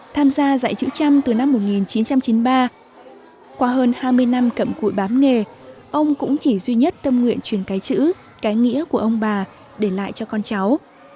tham gia dạy chữ trăm từ năm một nghìn chín trăm chín mươi ba qua hơn hai mươi năm cậm cụi bám nghề ông cũng chỉ duy nhất tâm nguyện truyền cái chữ cái nghĩa của ông bà để lại cho con cháu